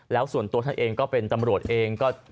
แล้วส่วนตัวท่านเองก็เป็นตำรวจเองก็